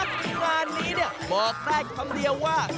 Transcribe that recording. งานนี้เนี่ยบอกได้คำเดียวว่า